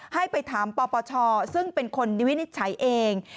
ให้ไปถามปปชซึ่งเป็นคนวินิจฉัยเอง